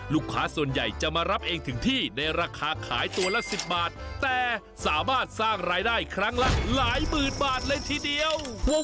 ลูกค้าส่วนใหญ่จะมารับเองถึงที่ในราคาขายตัวละ๑๐บาทแต่สามารถสร้างรายได้ครั้งละหลายหมื่นบาทเลยทีเดียว